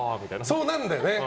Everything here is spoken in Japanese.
そうなるんだよね。